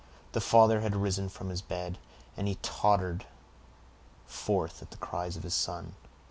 The father had arisen from his bed, and he tottered forth at the cries of his son.